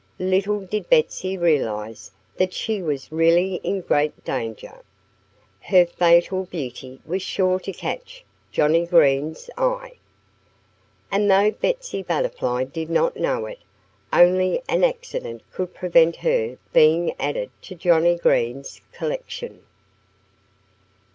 Little did Betsy realize that she was really in great danger. Her fatal beauty was sure to catch Johnnie Green's eye. And though Betsy Butterfly did not know it, only an accident could prevent her being added to Johnnie Green's collection.